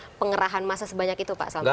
tidak ada pengerahan masa sebanyak itu pak selamat